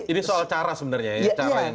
ini soal cara sebenarnya ya cara yang